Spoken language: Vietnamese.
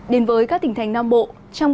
đến với các tỉnh nền nhiệt có xu hướng giảm dần